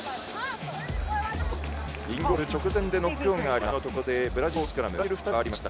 インゴール直前でノックオンがありました。